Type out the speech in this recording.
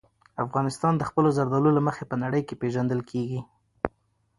افغانستان د خپلو زردالو له مخې په نړۍ کې پېژندل کېږي.